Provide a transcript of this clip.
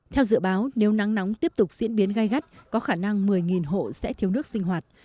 theo dự báo nếu nắng nóng tiếp tục diễn biến gai gắt có khả năng một mươi hộ sẽ thiếu nước sinh hoạt